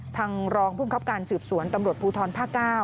ทางรองภูมิครับการสืบสวนตำรวจภูทรภาค๙